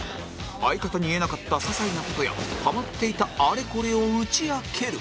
相方に言えなかった些細な事やたまっていたあれこれを打ち明ける